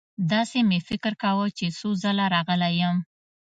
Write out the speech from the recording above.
داسې مې فکر کاوه چې څو ځله راغلی یم.